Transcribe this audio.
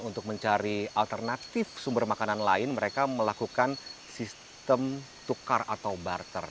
untuk mencari alternatif sumber makanan lain mereka melakukan sistem tukar atau barter